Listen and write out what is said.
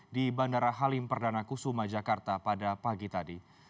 di bandara halim perdana kusuma jakarta pada pagi tadi